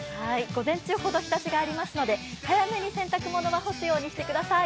午前中ほど、日ざしがありますので早めに洗濯物は干すようにしてください。